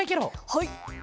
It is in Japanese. はい。